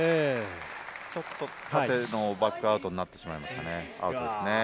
ちょっと縦のバックアウトになってしまいました。